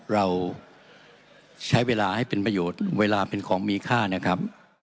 เราใช้เวลาให้เป็นประโยชน์เวลาเป็นของมีค่านะครับ